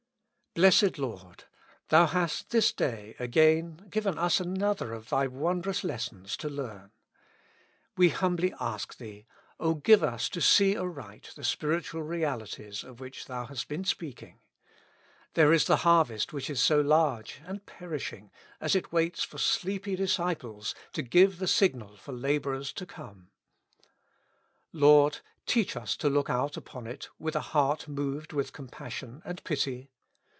Blessed Lord ! Thou hast this day again given us another of Thy wondrous lessons to learn. We humbly ask Thee, O give us to see aright the spiritual realities of which Thou hast been speaking. There is the harvest which is so large, and perishing, as it 76 With Christ in the School of Prayer. waits for sleepy disciples to give the signal for laborers to come. Lord, teach us to look out upon it with a heart moved with compassion and pity.